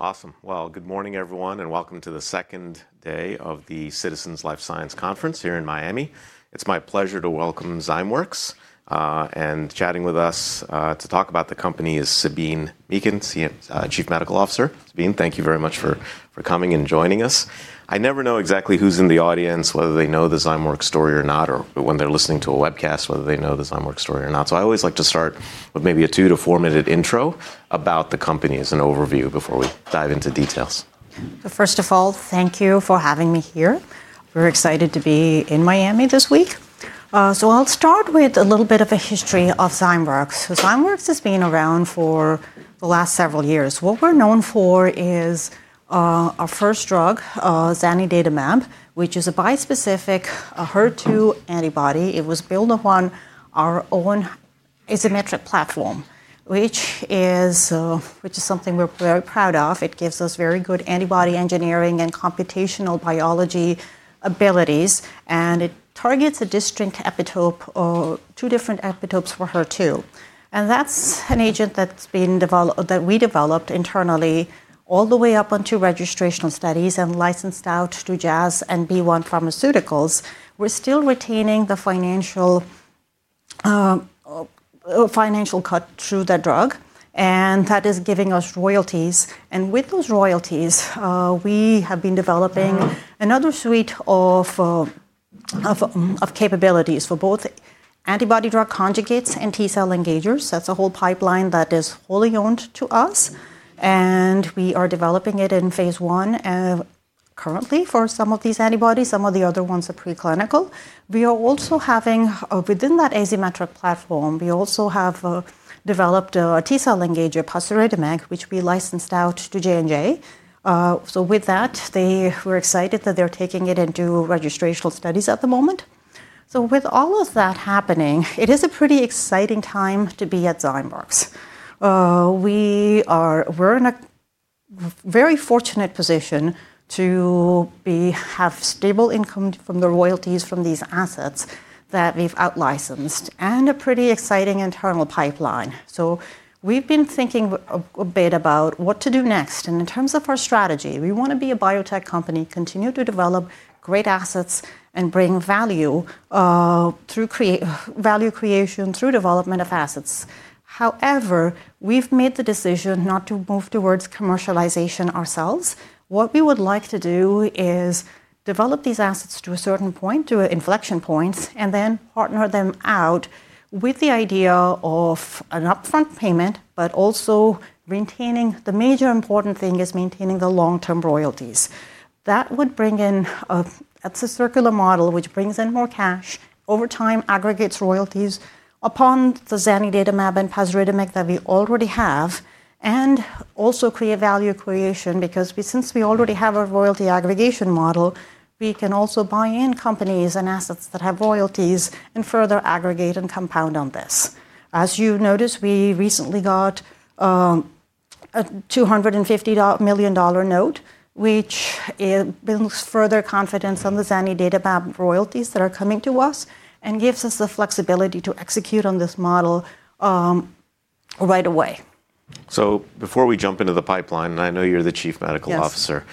Awesome. Well, good morning everyone, and welcome to the second day of the Citizen's Life Sciences Conference here in Miami. It's my pleasure to welcome Zymeworks, and chatting with us to talk about the company is Sabeen Mekan, Chief Medical Officer. Sabeen, thank you very much for coming and joining us. I never know exactly who's in the audience, whether they know the Zymeworks story or not, or when they're listening to a webcast, whether they know the Zymeworks story or not. I always like to start with maybe a 2-4 minute intro about the company as an overview before we dive into details. First of all, thank you for having me here. We're excited to be in Miami this week. I'll start with a little bit of a history of Zymeworks. Zymeworks has been around for the last several years. What we're known for is our first drug, zanidatamab, which is a bispecific, a HER2 antibody. It was built upon our own Azymetric platform, which is something we're very proud of. It gives us very good antibody engineering and computational biology abilities, and it targets a distinct epitope or two different epitopes for HER2. That's an agent that we developed internally all the way up to registrational studies and licensed out to Jazz Pharmaceuticals. We're still retaining the financial cut through that drug, and that is giving us royalties. With those royalties, we have been developing another suite of capabilities for both antibody-drug conjugates and T-cell engagers. That's a whole pipeline that is wholly owned by us, and we are developing it in phase 1 currently for some of these antibodies. Some of the other ones are preclinical. Within that Azymetric platform, we also have developed a T-cell engager pasritamig, which we licensed out to J&J. With that, they were excited that they're taking it into registrational studies at the moment. With all of that happening, it is a pretty exciting time to be at Zymeworks. We're in a very fortunate position to have stable income from the royalties from these assets that we've out-licensed and a pretty exciting internal pipeline. We've been thinking a bit about what to do next. In terms of our strategy, we want to be a biotech company, continue to develop great assets and bring value through value creation through development of assets. However, we've made the decision not to move towards commercialization ourselves. What we would like to do is develop these assets to a certain point, to inflection points, and then partner them out with the idea of an upfront payment, but also the major important thing is maintaining the long-term royalties. That would bring in. It's a circular model which brings in more cash, over time aggregates royalties upon the zanidatamab and pasritamig that we already have, and also create value creation because since we already have a royalty aggregation model. We can also buy in companies and assets that have royalties and further aggregate and compound on this. As you noticed, we recently got a $250 million note, which builds further confidence on the zanidatamab royalties that are coming to us and gives us the flexibility to execute on this model, right away. Before we jump into the pipeline, and I know you're the Chief Medical Officer.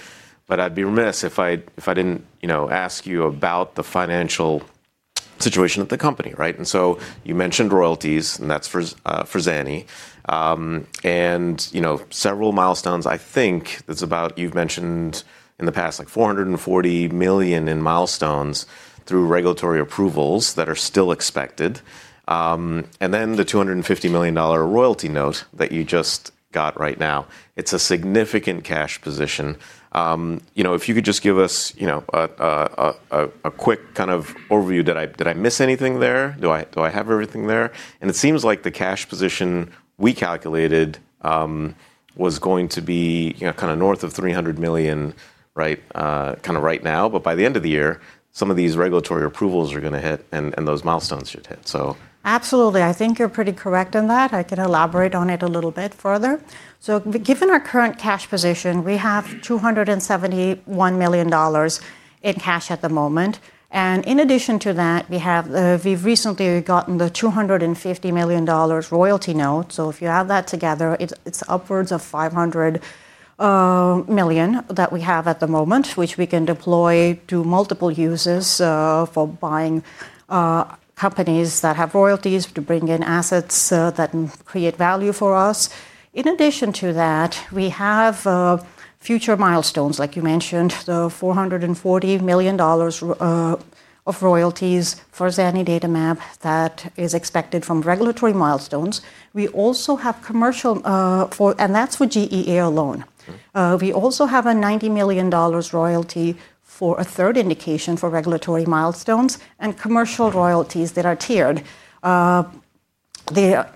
Yes. I'd be remiss if I didn't, you know, ask you about the financial situation of the company, right? You mentioned royalties, and that's for Zani. Several milestones I think it's about, you've mentioned in the past, like $400 million in milestones through regulatory approvals that are still expected. Then the $250 million dollar royalty note that you just got right now, it's a significant cash position. You know, if you could just give us, you know, a quick kind of overview. Did I miss anything there? Do I have everything there? It seems like the cash position we calculated was going to be, you know, kinda north of $300 million, right, kind of right now. By the end of the year, some of these regulatory approvals are going to hit and those milestones should hit so. Absolutely. I think you're pretty correct in that. I can elaborate on it a little bit further. Given our current cash position, we have $271 million in cash at the moment. In addition to that, we've recently gotten the $250 million royalty note. If you add that together, it's upwards of $500 million that we have at the moment, which we can deploy to multiple uses for buying companies that have royalties to bring in assets that create value for us. In addition to that, we have future milestones, like you mentioned, the $440 million of royalties for zanidatamab that is expected from regulatory milestones. We also have commercial for GEA. That's for GEA alone. Okay. We also have a $90 million royalty for a third indication for regulatory milestones and commercial royalties that are tiered.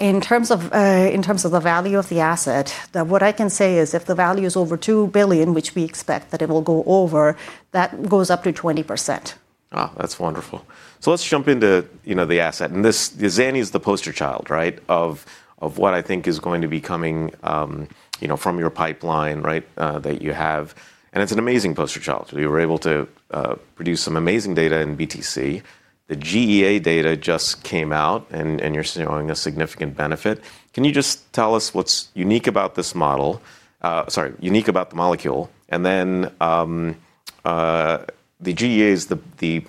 In terms of the value of the asset, what I can say is if the value is over $2 billion, which we expect that it will go over, that goes up to 20%. Oh, that's wonderful. Let's jump into the asset. The Zani is the poster child, right, of what I think is going to be coming from your pipeline, right, that you have, and it's an amazing poster child. We were able to produce some amazing data in BTC. The GEA data just came out and you're seeing a significant benefit. Can you just tell us what's unique about the molecule? The GEA is the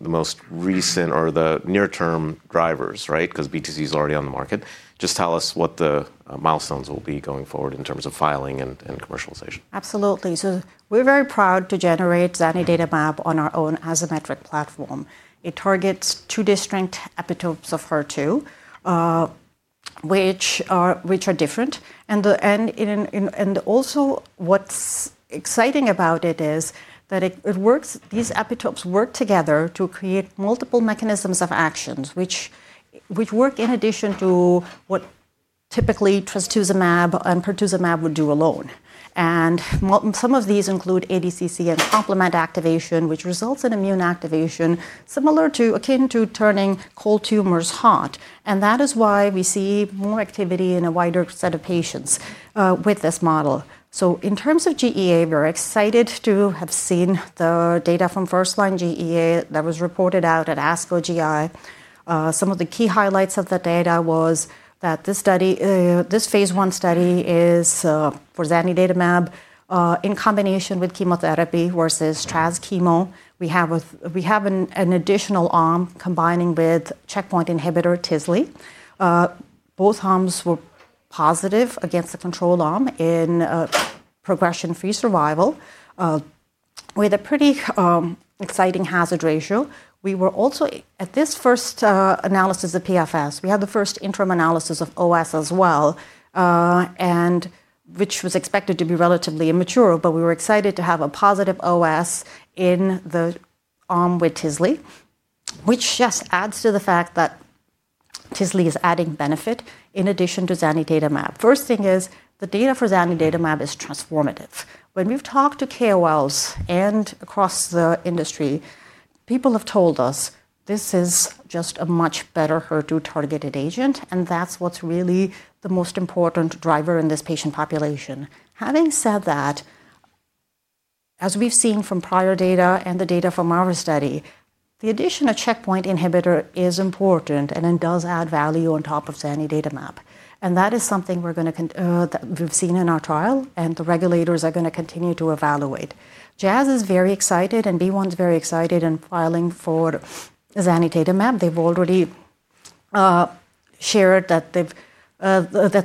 most recent or the near term drivers, right? Beause BTC is already on the market. Just tell us what the milestones will be going forward in terms of filing and commercialization. Absolutely. We're very proud to generate zanidatamab on our own as Azymetric platform. It targets two distinct epitopes of HER2, which are different. What's exciting about it is that these epitopes work together to create multiple mechanisms of actions, which work in addition to what typically trastuzumab and pertuzumab would do alone. Some of these include ADCC and complement activation, which results in immune activation similar to, akin to turning cold tumors hot. That is why we see more activity in a wider set of patients with this model. In terms of GEA, we're excited to have seen the data from first line GEA that was reported out at ASCO GI. Some of the key highlights of the data was that this study, this phase 1 study is, for zanidatamab, in combination with chemotherapy versus trastuzumab chemo. We have an additional arm combining with checkpoint inhibitor tislelizumab. Both arms were positive against the control arm in progression-free survival, with a pretty exciting hazard ratio. We were also at this first analysis of PFS. We had the first interim analysis of OS as well, and which was expected to be relatively immature, but we were excited to have a positive OS in the arm with tislelizumab, which just adds to the fact that tislelizumab is adding benefit in addition to zanidatamab. First thing is the data for zanidatamab is transformative. When we've talked to KOLs and across the industry, people have told us this is just a much better HER2-targeted agent, and that's what's really the most important driver in this patient population. Having said that, as we've seen from prior data and the data from our study, the addition of checkpoint inhibitor is important and it does add value on top of zanidatamab. That is something that we've seen in our trial, and the regulators are going to continue to evaluate. Jazz is very excited, and BeiGene's very excited in filing for zanidatamab. They've already shared that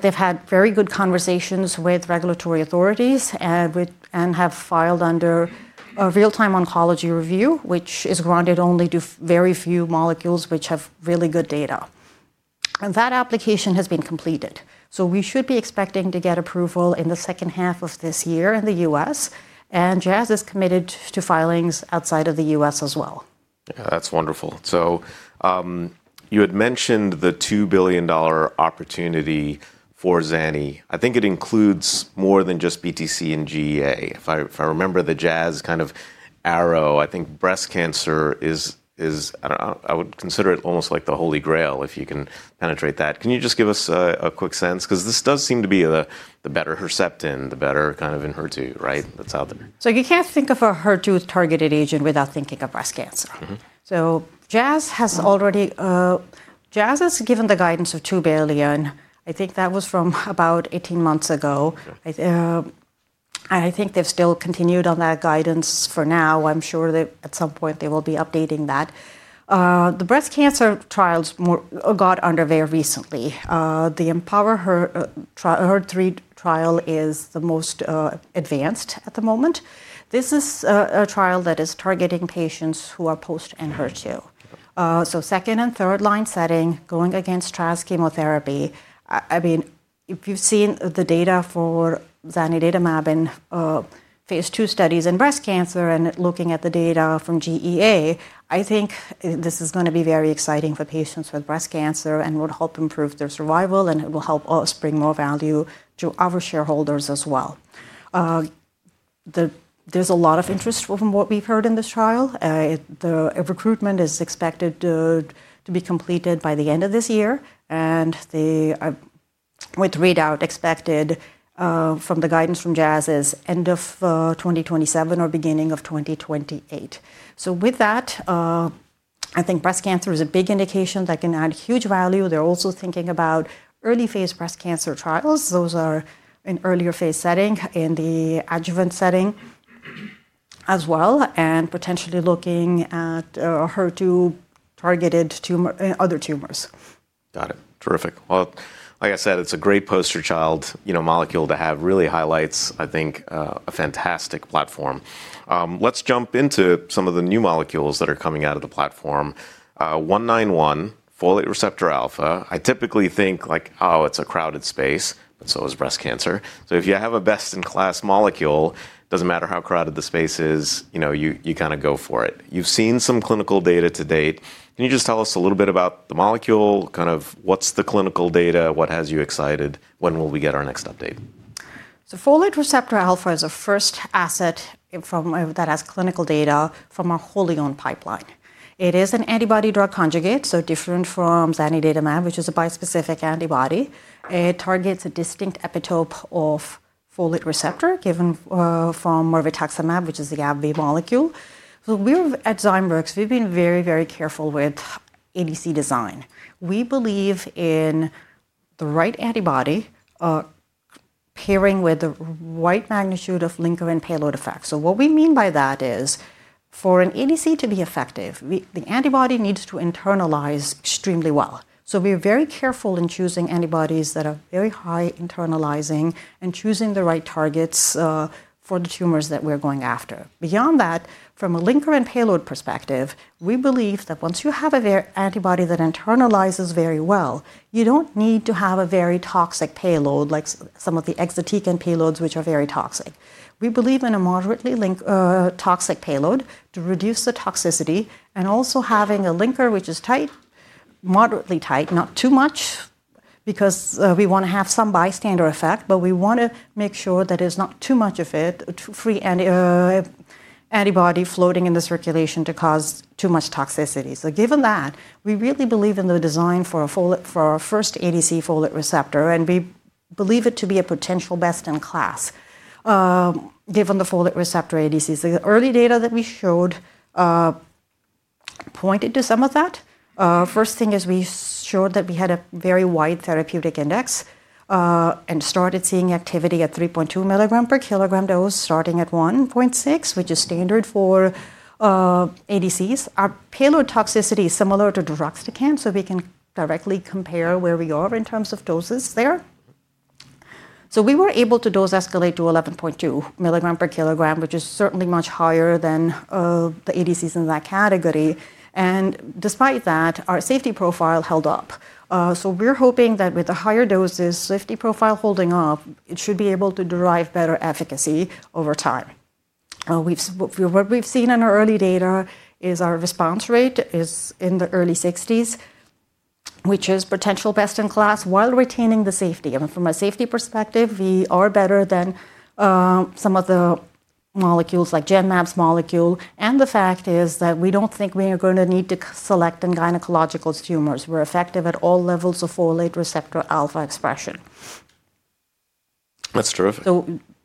they've had very good conversations with regulatory authorities and have filed under a Real-Time Oncology Review. Which is granted only to very few molecules which have really good data. That application has been completed, so we should be expecting to get approval in the second half of this year in the US and Jazz is committed to filings outside of the US as well. Yeah, that's wonderful. You had mentioned the $2 billion opportunity for Zani. I think it includes more than just BTC and GEA. If I remember the Jazz kind of era, I think breast cancer is, I don't know, I would consider it almost like the holy grail if you can penetrate that. Can you just give us a quick sense? Beause this does seem to be the better Herceptin, the better kind of in HER2, right? You can't think of a HER2-targeted agent without thinking of breast cancer. Jazz has already given the guidance of $2 billion. I think that was from about 18 months ago. Okay. I think they've still continued on that guidance for now. I'm sure they, at some point, they will be updating that. The breast cancer trials got underway recently. The EMpowher-HER tri-HER3 trial is the most advanced at the moment. This is a trial that is targeting patients who are HER2-positive. Second- and third-line setting going against trastuzumab chemotherapy. I mean, if you've seen the data for zanidatamab in phase 2 studies in breast cancer and looking at the data from GEA, I think this is going to be very exciting for patients with breast cancer and would help improve their survival, and it will help us bring more value to our shareholders as well. There's a lot of interest from what we've heard in this trial. The recruitment is expected to be completed by the end of this year and readout expected from the guidance from Jazz is end of 2027 or beginning of 2028. With that, I think breast cancer is a big indication that can add huge value. They're also thinking about early phase breast cancer trials. Those are an earlier phase setting in the adjuvant setting as well and potentially looking at HER2-targeted tumor other tumors. Got it. Terrific. Well, like I said, it's a great poster child, you know, molecule to have. Really highlights, I think, a fantastic platform. Let's jump into some of the new molecules that are coming out of the platform. ZW191 folate receptor alpha, I typically think like, oh, it's a crowded space, but so is breast cancer. If you have a best-in-class molecule, doesn't matter how crowded the space is you kind of go for it. You've seen some clinical data to date. Can you just tell us a little bit about the molecule, kind of what's the clinical data? What has you excited? When will we get our next update? Folate receptor alpha is the first asset from that has clinical data from our wholly owned pipeline. It is an antibody drug conjugate, so different from zanidatamab, which is a bispecific antibody. It targets a distinct epitope of folate receptor given from mirvetuximab, which is a AbbVie molecule. At Zymeworks, we've been very, very careful with ADC design. We believe in the right antibody pairing with the right magnitude of linker and payload effects. What we mean by that is for an ADC to be effective, the antibody needs to internalize extremely well. We are very careful in choosing antibodies that are very high internalizing and choosing the right targets for the tumors that we're going after. Beyond that, from a linker and payload perspective, we believe that once you have an antibody that internalizes very well, you don't need to have a very toxic payload like some of the exatecan payloads, which are very toxic. We believe in a moderately toxic payload to reduce the toxicity and also having a linker which is tight, moderately tight, not too much because we want to have some bystander effect, but we want to make sure that there's not too much of it, free antibody floating in the circulation to cause too much toxicity. Given that, we really believe in the design for our first ADC folate receptor, and we believe it to be a potential best in class, given the folate receptor ADCs. The early data that we showed pointed to some of that. First thing is we showed that we had a very wide therapeutic index, and started seeing activity at 3.2 mg/kg dose starting at 1.6, which is standard for ADCs. Our payload toxicity is similar to deruxtecan, so we can directly compare where we are in terms of doses there. We were able to dose escalate to 11.2 mg/kg, which is certainly much higher than the ADCs in that category. Despite that, our safety profile held up. We're hoping that with the higher doses, safety profile holding up, it should be able to derive better efficacy over time. What we've seen in our early data is our response rate is in the early 60s%, which is potential best in class while retaining the safety. I mean, from a safety perspective, we are better than some of the molecules like Genmab's molecule. The fact is that we don't think we are going to need to select in gynecological tumors. We're effective at all levels of folate receptor alpha expression. That's terrific.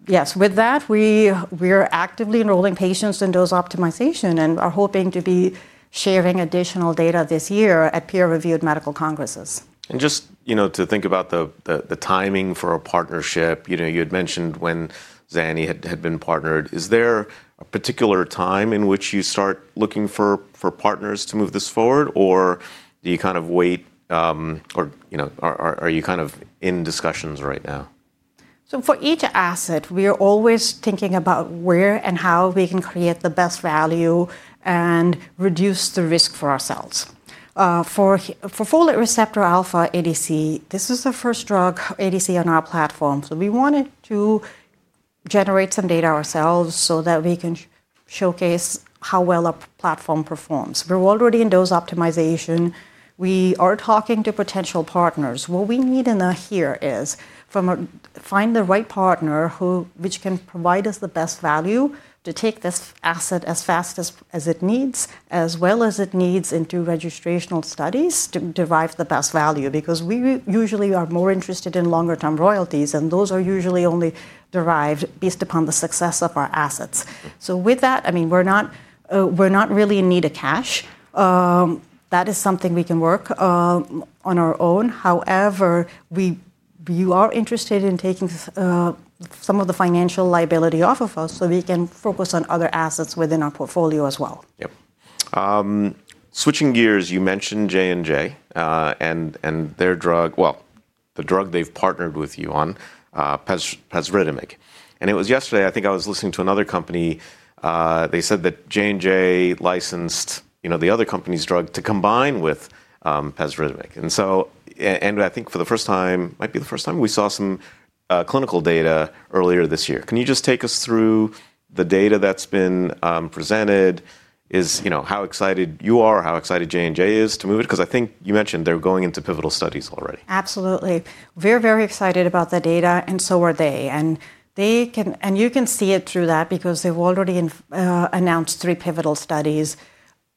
Yes, with that, we're actively enrolling patients in dose optimization and are hoping to be sharing additional data this year at peer-reviewed medical congresses. Just, you know, to think about the timing for a partnership you had mentioned when Zani had been partnered, is there a particular time in which you start looking for partners to move this forward? Or do you kind of wait, or are you kind of in discussions right now? For each asset, we are always thinking about where and how we can create the best value and reduce the risk for ourselves. For folate receptor alpha ADC, this is the first drug ADC on our platform. We wanted to generate some data ourselves so that we can showcase how well our platform performs. We're already in dose optimization. We are talking to potential partners. What we need here is to find the right partner which can provide us the best value to take this asset as fast as it needs, as well as it needs into registrational studies to derive the best value, because we usually are more interested in longer term royalties, and those are usually only derived based upon the success of our assets. With that, I mean, we're not really in need of cash. That is something we can work on our own. However, we are interested in taking some of the financial liability off of us so we can focus on other assets within our portfolio as well. Yep. Switching gears, you mentioned J&J and their drug. Well, the drug they've partnered with you on, pasritamig. It was yesterday, I think I was listening to another company. They said that J&J licensed, you know, the other company's drug to combine with pasritamig. I think for the first time, might be the first time, we saw some clinical data earlier this year. Can you just take us through the data that's been presented? How excited you are, how excited J&J is to move it? Because I think you mentioned they're going into pivotal studies already. Absolutely. We're very excited about the data, and so are they. You can see it through that because they've already announced three pivotal studies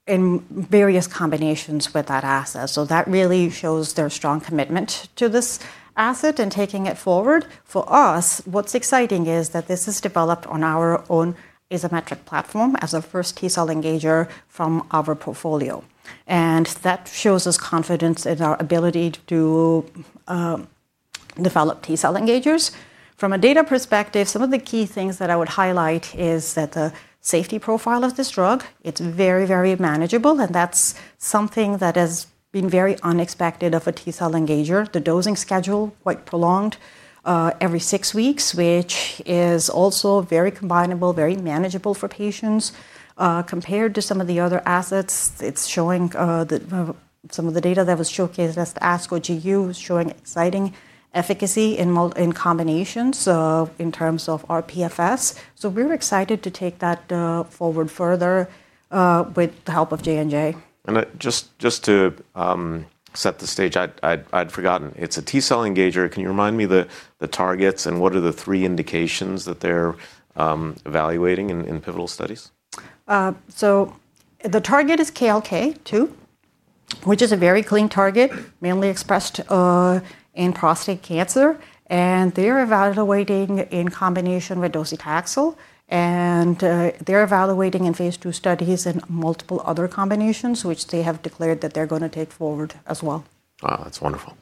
in various combinations with that asset. That really shows their strong commitment to this asset and taking it forward. For us, what's exciting is that this is developed on our own Azymetric platform as a first T-cell engager from our portfolio. That shows us confidence in our ability to develop T-cell engagers. From a data perspective, some of the key things that I would highlight is that the safety profile of this drug, it's very, very manageable, and that's something that has been very unexpected of a T-cell engager. The dosing schedule, quite prolonged, every six weeks, which is also very combinable, very manageable for patients. Compared to some of the other assets, it's showing some of the data that was showcased at ASCO GU showing exciting efficacy in combination, so in terms of rPFS. We're excited to take that forward further with the help of J&J. Just to set the stage, I'd forgotten. It's a T-cell engager. Can you remind me the targets and what are the three indications that they're evaluating in pivotal studies? The target is KLK2, which is a very clean target, mainly expressed in prostate cancer, and they're evaluating in combination with docetaxel, and they're evaluating in phase two studies in multiple other combinations, which they have declared that they're going to take forward as well. Wow, that's wonderful.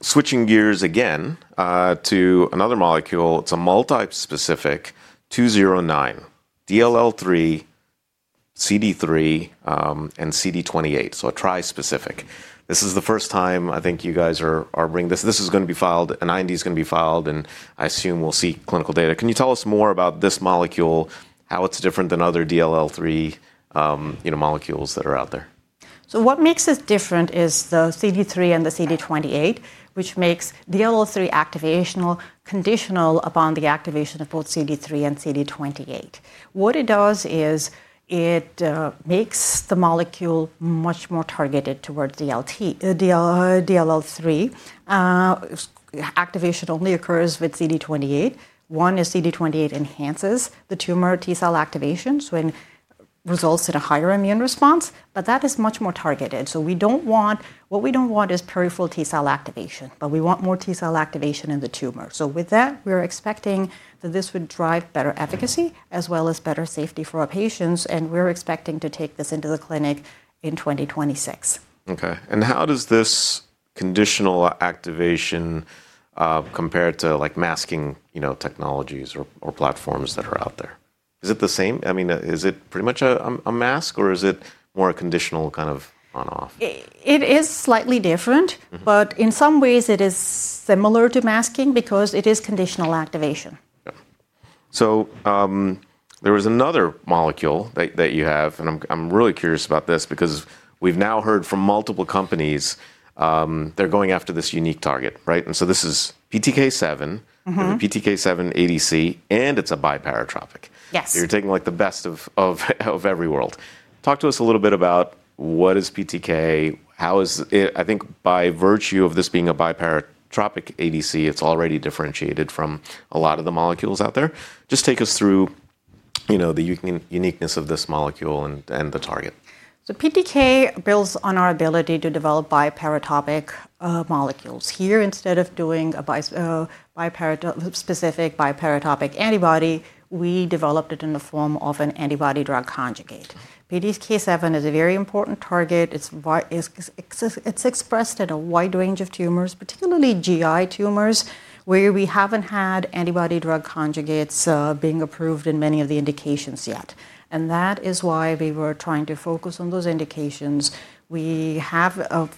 Switching gears again to another molecule. It's a multi-specific ZW209 DLL3, CD3, and CD28, so a tri-specific. This is the first time I think you guys are bringing this. This is going to be filed. An IND is going to be filed, and I assume we'll see clinical data. Can you tell us more about this molecule, how it's different than other DLL3 molecules that are out there? What makes this different is the CD3 and the CD28, which makes DLL3 activation conditional upon the activation of both CD3 and CD28. What it does is it makes the molecule much more targeted towards DLL3. Activation only occurs with CD28. One is CD28 enhances the tumor T cell activation, so it results in a higher immune response, but that is much more targeted. What we don't want is peripheral T cell activation, but we want more T cell activation in the tumor. With that, we're expecting that this would drive better efficacy as well as better safety for our patients, and we're expecting to take this into the clinic in 2026. Okay. How does this conditional activation compare to like masking technologies or platforms that are out there? Is it the same? I mean, is it pretty much a mask or is it more a conditional kind of on/off? It is slightly different. In some ways it is similar to masking because it is conditional activation. Yeah. There was another molecule that you have, and I'm really curious about this because we've now heard from multiple companies, they're going after this unique target, right? This is PTK7. The PTK7 ADC, and it's a bi-paratopic. Yes. You're taking like the best of every world. Talk to us a little bit about what is PTK? How is it? I think by virtue of this being a bi-paratopic ADC, it's already differentiated from a lot of the molecules out there. Just take us through the unique, uniqueness of this molecule and the target. PTK7 builds on our ability to develop bi-paratopic molecules. Here instead of doing a bispecific bi-paratopic antibody, we developed it in the form of an antibody-drug conjugate. PTK7 is a very important target. It's expressed in a wide range of tumors, particularly GI tumors, where we haven't had antibody-drug conjugates being approved in many of the indications yet. That is why we were trying to focus on those indications. What's unique about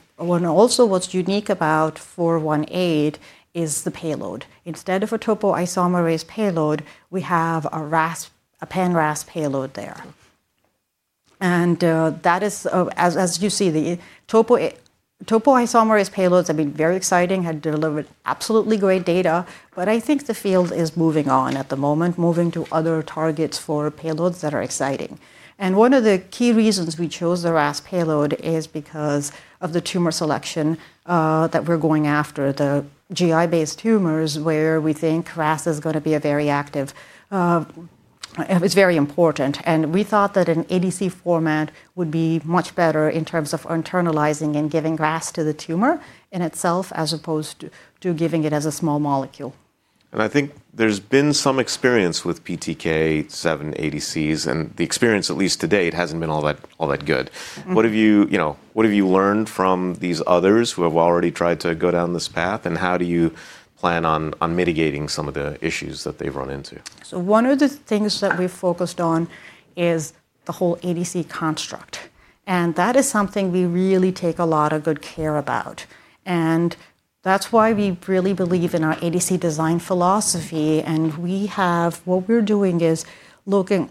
ZW418 is the payload. Instead of a topoisomerase payload, we have a pan-RAS payload there. That is, as you see, the topoisomerase payloads have been very exciting, have delivered absolutely great data, but I think the field is moving on at the moment, moving to other targets for payloads that are exciting. One of the key reasons we chose the RAS payload is because of the tumor selection. That we're going after, the GI-based tumors, where we think RAS is going to be a very active, it's very important. We thought that an ADC format would be much better in terms of internalizing and giving RAS to the tumor in itself as opposed to giving it as a small molecule. I think there's been some experience with PTK7 ADCs, and the experience, at least to date, hasn't been all that good. You know, what have you learned from these others who have already tried to go down this path, and how do you plan on mitigating some of the issues that they've run into? One of the things that we've focused on is the whole ADC construct, and that is something we really take a lot of good care about. That's why we really believe in our ADC design philosophy. What we're doing is looking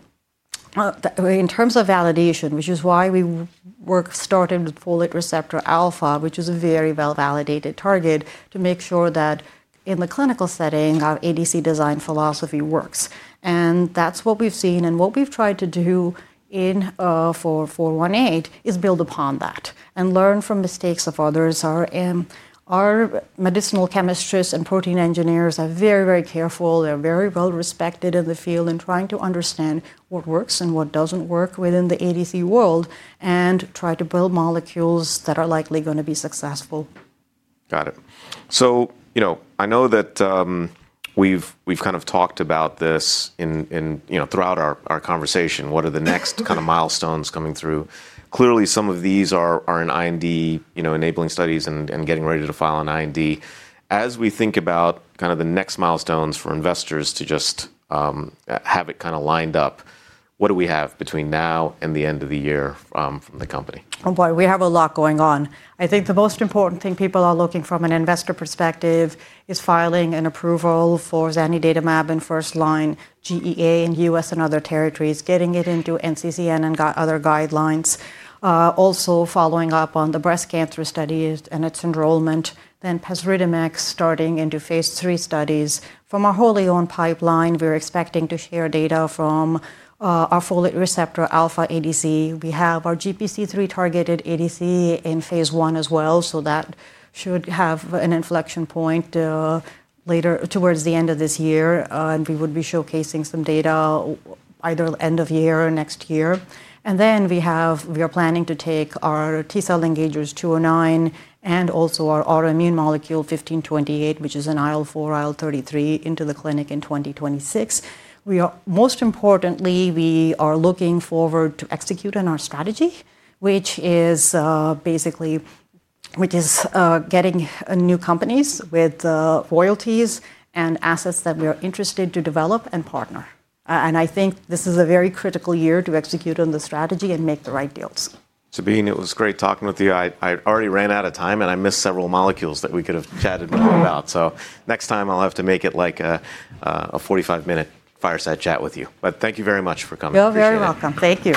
in terms of validation. Which is why we're starting with folate receptor alpha, which is a very well-validated target, to make sure that in the clinical setting, our ADC design philosophy works. That's what we've seen, and what we've tried to do in ZW418 is build upon that and learn from mistakes of others. Our medicinal chemistries and protein engineers are very, very careful. They're very well respected in the field in trying to understand what works and what doesn't work within the ADC world and try to build molecules that are likely going to be successful. Got it. You know, I know that we've kind of talked about this in you know, throughout our conversation. What are the next kind of milestones coming through? Clearly, some of these are in IND you know, enabling studies and getting ready to file an IND. As we think about kind of the next milestones for investors to just have it kinda lined up, what do we have between now and the end of the year from the company? Oh boy, we have a lot going on. I think the most important thing people are looking for from an investor perspective is filing for approval for zanidatamab in first-line GEA in US and other territories, getting it into NCCN and other guidelines. Also following up on the breast cancer studies and its enrollment. Pasritamig entering into phase 3 studies. From our wholly owned pipeline, we're expecting to share data from our folate receptor alpha ADC. We have our GPC3 targeted ADC in phase 1 as well, so that should have an inflection point later towards the end of this year, and we would be showcasing some data either end of year or next year. We are planning to take our T-cell engagers 209 and also our autoimmune molecule 1528, which is an IL-4/IL-33, into the clinic in 2026. Most importantly, we are looking forward to execute on our strategy, which is basically getting new companies with royalties and assets that we are interested to develop and partner. I think this is a very critical year to execute on the strategy and make the right deals. Sabeen, it was great talking with you. I already ran out of time, and I missed several molecules that we could have chatted more about. Next time I'll have to make it like a 45-minute fireside chat with you. Thank you very much for coming. You're very welcome. Appreciate it. Thank you.